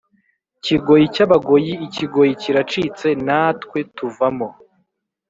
kigoyi cy abagoyi Ikigoyi kiracitse natwe tuvamo